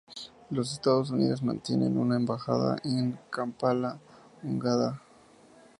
Los Estados Unidos mantienen una embajada en Kampala, Uganda.